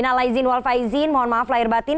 nalai din faizin mohon maaf lair batin